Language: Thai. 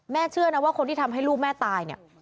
เชื่อนะว่าคนที่ทำให้ลูกแม่ตายเนี่ย